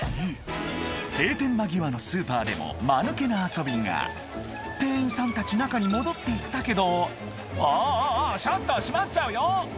閉店間際のスーパーでもマヌケな遊びが店員さんたち中に戻って行ったけどあああシャッター閉まっちゃうよ！